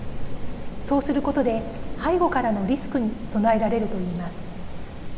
そうすることで背後からのリスクに備えられると言います。